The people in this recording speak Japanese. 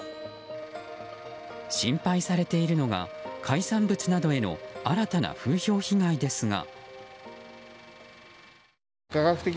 心配されているのが海産物などへの新たな風評被害ですが。